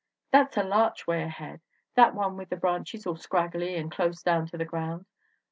" 'That's a larch way ahead that one with the branches all scraggly and close down to the ground.